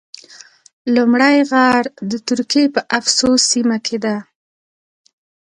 لومړی غار د ترکیې په افسوس سیمه کې ده.